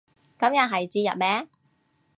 今日係節日咩